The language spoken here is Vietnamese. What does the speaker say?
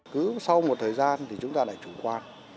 cứ sau một thời gian thì chúng ta lại chủ quan